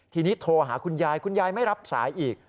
ทีนี้โทรหาคุณยายคุณยายไม่รับสายอีก